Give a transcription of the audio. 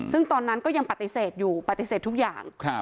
ซึ่งตอนนั้นก็ยังปฏิเสธอยู่ปฏิเสธทุกอย่าง